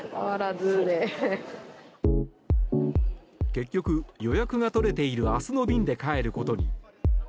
結局、予約が取れている明日の便で帰ることに。